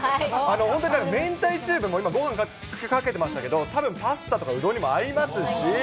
本当にめんたいチューブも、今、ごはんかけてましたけど、たぶん、パスタとかうどんにも合いますし。